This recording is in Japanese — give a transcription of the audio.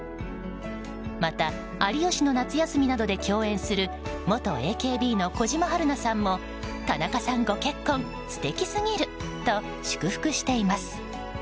また、「有吉の夏休み」などで共演する元ＡＫＢの小嶋陽菜さんも田中さん、ご結婚素敵すぎると祝福しています。